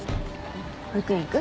保育園行く？